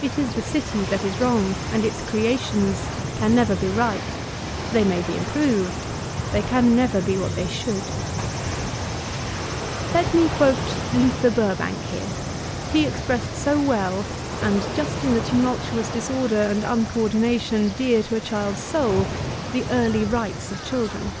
It is the city that is wrong, and its creations can never be right ; they may be inq>roved ; they can never be what they should Let me quote Luther Burbank here: he expressed so well, and just in the tumultuous disorder and un co ordination dear to a child's soul, the early rights of chil dren.